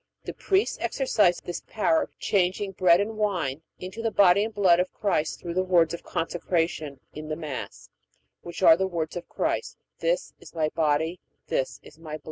The priests exercise this power of changing bread and wine into the body and blood of Christ through the words of consecration in the Mass, which are the words of Christ: This is My body; this is My blood.